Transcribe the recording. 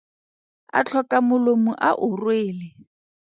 A tlhoka molomo a o rwele.